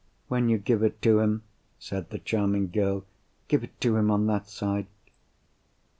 "When you give it to him," said the charming girl, "give it to him on that side!"